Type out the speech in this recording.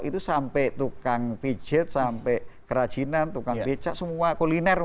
itu sampai tukang pijat sampai kerajinan tukang becak semua kuliner